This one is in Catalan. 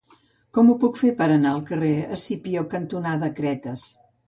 Com ho puc fer per anar al carrer Escipió cantonada Cretes?